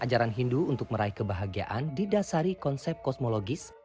tetapi juga meraih kebahagiaan di dasari konsep kosmologis